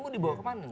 mau dibawa kemana